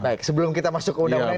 baik sebelum kita masuk ke undang undang